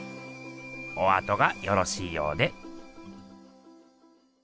おあとがよろしいようで。